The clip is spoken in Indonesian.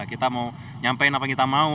kita mau nyampein apa kita mau